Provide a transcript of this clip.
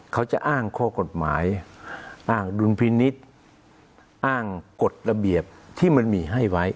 เขาจะอ้างข้อกฎหมายอ้างดุลพินิษฐ์อ้างกฎระเบียบที่มันมีให้ไว้